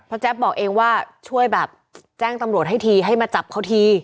แจ๊บบอกเองว่าช่วยแบบแจ้งตำรวจให้ทีให้มาจับเขาที